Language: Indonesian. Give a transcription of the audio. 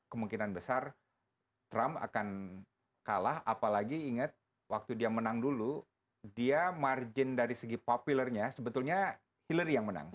kemungkinan besar trump akan kalah apalagi ingat waktu dia menang dulu dia margin dari segi populernya sebetulnya hillary yang menang